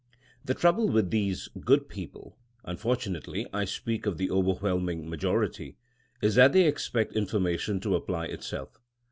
The trouble with these good people (unfor tunately I speak of the overwhelming majority) is that they expect information to apply itself.